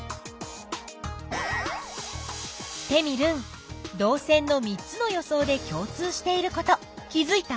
テミルン導線の３つの予想で共通していること気づいた？